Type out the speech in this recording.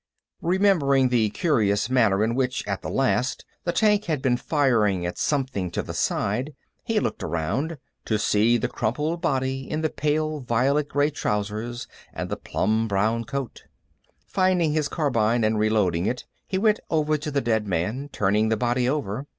Remembering the curious manner in which, at the last, the tank had begun firing at something to the side, he looked around, to see the crumpled body in the pale violet gray trousers and the plum brown coat. Finding his carbine and reloading it, he went over to the dead man, turning the body over.